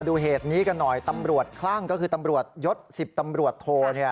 ดูเหตุนี้กันหน่อยตำรวจคลั่งก็คือตำรวจยศ๑๐ตำรวจโท